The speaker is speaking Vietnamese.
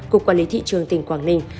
cục quản lý thị trường tỉnh quảng ninh